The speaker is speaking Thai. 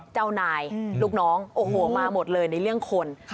เจ้านายลูกน้องโอ้โหมาหมดเลยในเรื่องคน